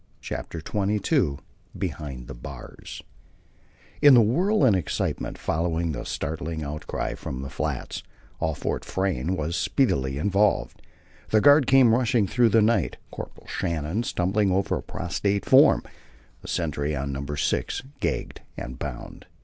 CHAPTER XXII BEHIND THE BARS In the whirl and excitement following the startling outcry from the flats, all Fort Frayne was speedily involved. The guard came rushing through the night, Corporal Shannon stumbling over a prostrate form, the sentry on Number Six, gagged and bound.